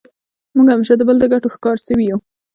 موږ همېشه د بل د ګټو ښکار سوي یو.